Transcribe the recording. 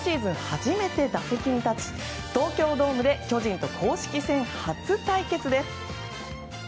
初めて打席に立ち東京ドームで巨人と公式戦初対決です。